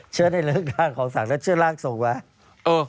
เชื่อในเรื่องของขังแล้วเชื่อร่างทรงไหมเออ